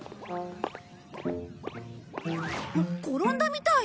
転んだみたい。